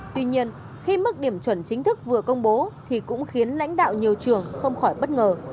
tuy nhiên khi mức điểm chuẩn chính thức vừa công bố thì cũng khiến lãnh đạo nhiều trường không khỏi bất ngờ